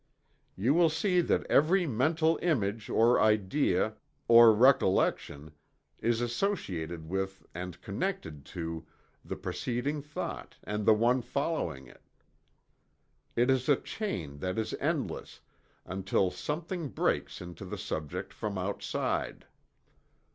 You will see that every mental image or idea, or recollection is associated with and connected to the preceding thought and the one following it. It is a chain that is endless, until something breaks into the subject from outside.